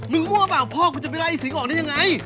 มั่วเปล่าพ่อกูจะไปไล่สิงออกได้ยังไง